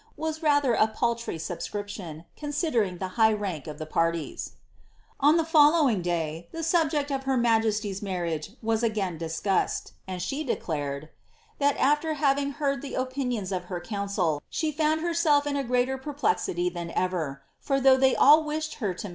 was nillier a paltry subscript sidering the high rank of the par On the following day the i her majesty's marriage was aj^in discussed, and she declared, r baring heard the opioiona of her council, the found her greater perplexity than mr; fill though they all wished her k.. ...